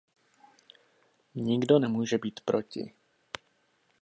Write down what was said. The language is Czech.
Nikdo nemůže být proti.